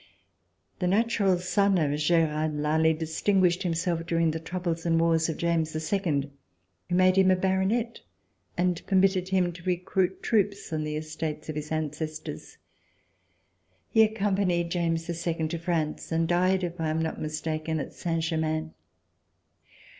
The natural son of Gerard Lally distinguished himself during the troubles and wars of James II, who made him a baronet and permitted him to recruit troops on the estate of his ancestors. He ac companied James II to France and died, if I am not mistaken, at Saint Germain.